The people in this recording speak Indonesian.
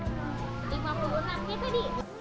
dan juga untuk membuatnya lebih mudah